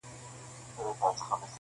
پر حلال حرام یې مه کيږه راوړه یې,